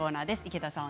池田さん